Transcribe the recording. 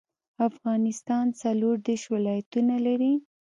افغانستان څلور ديرش ولايتونه لري.